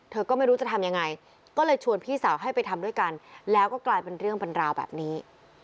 เธอก็ไม่รู้จะทำยังไงก็เลยชวนพี่สาวให้ไปทำด้วยกันแล้วก็กลายเป็นเรื่องเป็นราวแบบนี้